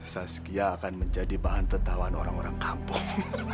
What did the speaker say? saskia akan menjadi bahan tetawaan orang orang kampung